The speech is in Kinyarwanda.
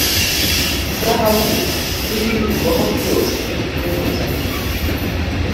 izahabu n ibirirwaho byose byo mu nzu y ibiti